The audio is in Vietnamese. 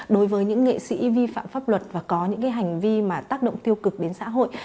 đối với những nghệ sĩ vi phạm pháp luật và có những hành vi mà tác động tiêu cực đến xã hội